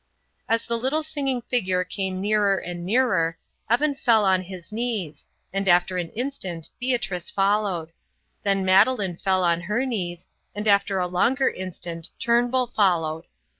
As the little singing figure came nearer and nearer, Evan fell on his knees, and after an instant Beatrice followed; then Madeleine fell on her knees, and after a longer instant Turnbull followed.